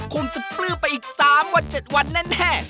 คงจะปลื้มไปอีก๓วัน๗วันแน่